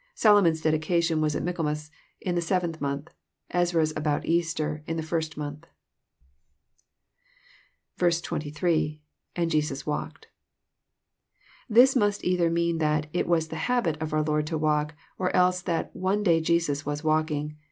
Solomon's dedication was at Michael mas, in the seventh month ; Ezra's about Easter, in the first month. 18. — [^And Jesus walked.'] This must either mean that "it was the habit" of our Lord to walk, or else that "one day Jesus was walking."